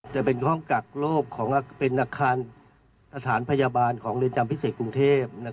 จะเป็นห้องกักโรคเป็นอาคารสถานพยาบาลของเรือนจำพิเศษกรุงเทพ